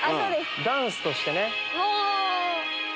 ダンスとしてね。